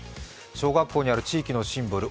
小学校にある地域のシンボル